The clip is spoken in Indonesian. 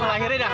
mau lahirin ya